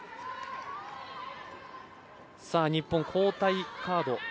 日本、交代カード